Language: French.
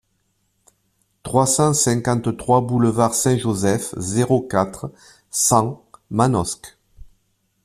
trois cent cinquante-trois boulevard Saint-Joseph, zéro quatre, cent, Manosque